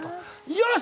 よし！